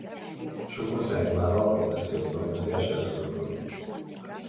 ჩუქურთმები მაღალ პროფესიულ დონეზეა შესრულებული.